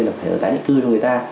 là phải ở tại địa cư cho người ta